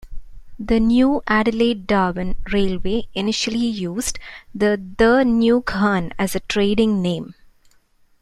The new Adelaide-Darwin railway initially used the "The New Ghan" as a trading name.